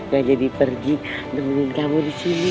gak jadi pergi mending kamu disini